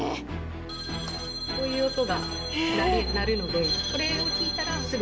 こういう音が鳴るので。